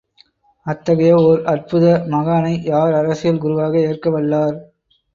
அத்தகைய ஓர் அற்புத மகானை யார் அரசியல் குருவாக ஏற்கவல்லார்?